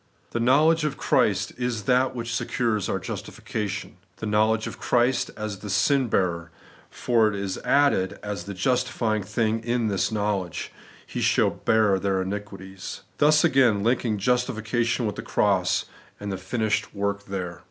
The knowledge of Christ is that which secures our justification; the knowledge of Christ as the sin hearer: for it is added, as the justifying thing in this knowledge, * He shall bear their iniquities;' thus again linking justification with the cross, and the finished work there.